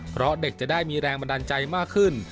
เพราะเด็กจะได้มีแรงบันดาลใจมากขึ้น